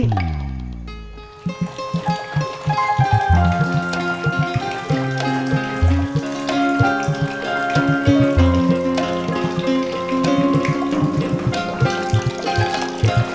siapa yang mau dihanti